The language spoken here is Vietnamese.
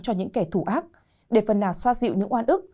cho những kẻ thù ác để phần nào xoa dịu những oan ức